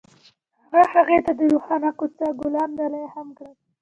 هغه هغې ته د روښانه کوڅه ګلان ډالۍ هم کړل.